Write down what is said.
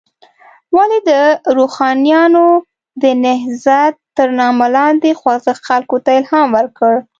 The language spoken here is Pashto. ولې د روښانیانو د نهضت تر نامه لاندې خوځښت خلکو ته الهام ورکړ.